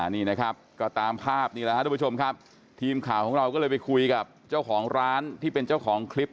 นี่นะครับก็ตามภาพนี่แหละครับทุกผู้ชมครับทีมข่าวของเราก็เลยไปคุยกับเจ้าของร้านที่เป็นเจ้าของคลิป